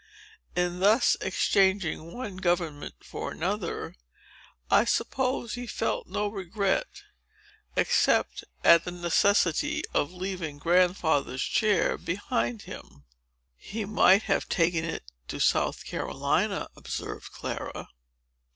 In thus exchanging one government for another, I suppose he felt no regret, except at the necessity of leaving Grandfather's chair behind him." "He might have taken it to South Carolina," observed Clara.